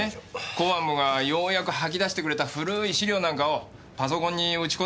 公安部がようやく吐き出してくれた古い資料なんかをパソコンに打ち込んでるみたいだけどな。